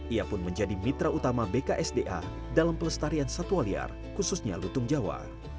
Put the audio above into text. ia pun menjadi mitra utama bksda dalam pelestarian satwa liar khususnya lutung jawa